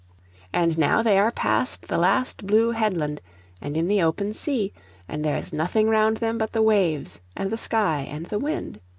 And now they are past the last blue headland, and in the open sea; and there is nothing round them but the waves, and the sky, and the wind.